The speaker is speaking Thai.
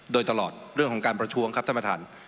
โดยตลอดเรื่องของการประท้วงครับท่านประธาน